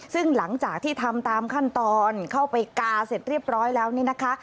ซึ่งหลังจากที่ทำตามขั้นตอนเข้าไปกาเสร็จเรียบร้อยแล้วนี่นะคะ